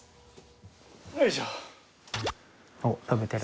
よいしょ。